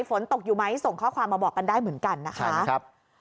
ฝนตกอยู่ไหมส่งข้อความมาบอกกันได้เหมือนกันนะคะ